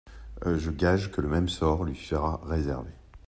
Je gage que le même sort lui sera réservé.